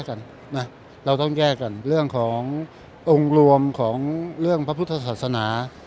กันนะเราต้องแก้กันเรื่องขององค์รวมของเรื่องพระพุทธศาสนา